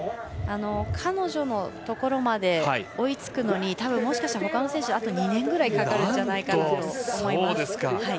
彼女のところまで追いつくのに多分、もしかしたらほかの選手は２年ぐらいかかるんじゃないかと思います。